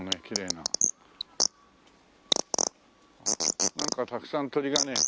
なんかたくさん鳥がね。